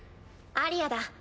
アリヤだ。